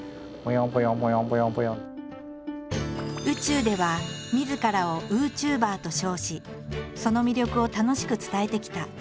宇宙ではみずからを「ウーチューバー」と称しその魅力を楽しく伝えてきた。